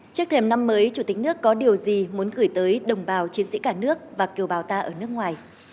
trước thềm năm mới chủ tịch nước có điều gì muốn gửi tới đồng bào chiến sĩ cả nước và kiều bào ta ở nước ngoài